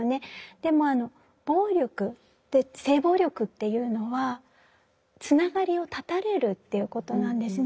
でも暴力性暴力っていうのはつながりを断たれるっていうことなんですね。